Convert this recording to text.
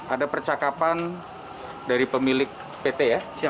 ada percakapan dari pemilik pt ya